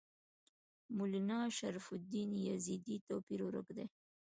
مولنا شرف الدین یزدي توپیر ورک دی.